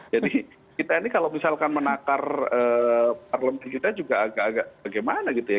jadi kita ini kalau misalkan menakar parlemen kita juga agak agak bagaimana gitu ya